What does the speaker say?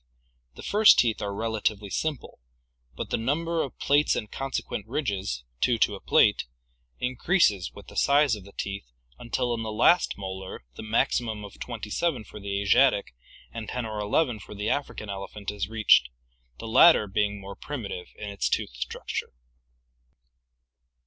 The first teeth are relatively simple, but the num ber of plates and consequent ridges, two to a plate, increases with the size of the teeth until in the last molar the maximum of twenty seven for the Asiatic and ten or eleven for the African elephant is reached, the latter being more prim itive in its tooth structure.